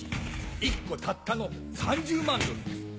１個たったの３０万ドル。